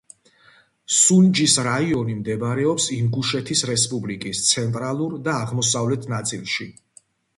სუნჯის რაიონი მდებარეობს ინგუშეთის რესპუბლიკის ცენტრალურ და აღმოსავლეთ ნაწილში.